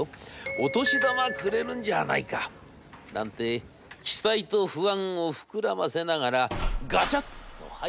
お年玉くれるんじゃないか？』なんて期待と不安を膨らませながらガチャっと入った社長室。